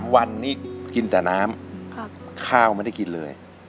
๓วันนี้กินแต่น้ำข้าวไม่ได้กินเลย